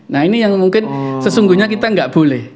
nah ini yang mungkin sesungguhnya kita nggak boleh